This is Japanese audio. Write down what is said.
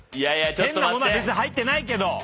変な物は別に入ってないけど。